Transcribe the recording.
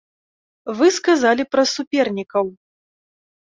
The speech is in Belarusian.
Вы сказалі пра супернікаў.